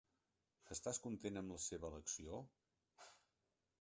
Estàs content amb la seva elecció?